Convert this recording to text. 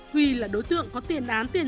huy là đối tượng có tiền án tiền